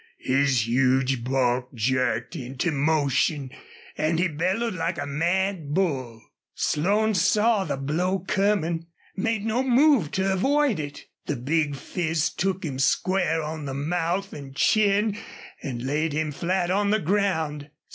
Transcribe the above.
His huge bulk jerked into motion and he bellowed like a mad bull. Slone saw the blow coming, made no move to avoid it. The big fist took him square on the mouth and chin and laid him flat on the ground.